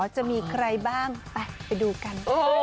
จะมีใครบ้างไปไปดูกัน